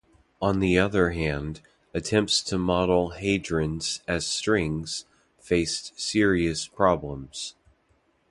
On the other hand, attempts to model hadrons as strings faced serious problems.